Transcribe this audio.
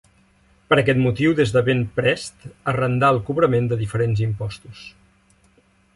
Per aquest motiu des de ben prest arrendà el cobrament de diferents imposts.